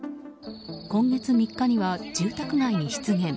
今月３日には住宅街に出現。